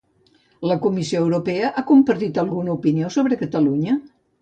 La Comissió Europea ha compartit alguna opinió sobre Catalunya?